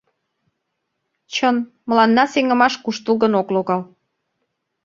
— Чын, мыланна сеҥымаш куштылгын ок логал.